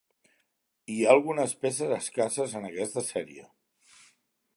Hi ha algunes peces escasses en aquesta sèrie.